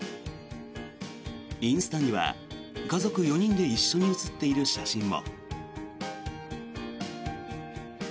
インスタには家族４人で一緒に写っている写真も。